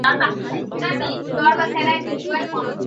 সঙ্কটের সময়ে আমরা শুধু প্রয়োজনীয় তথ্যই দিই, অপ্রয়োজনীয় তথ্য দিই না!